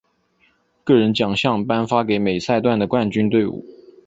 个人奖项颁发给每赛段的冠军队伍。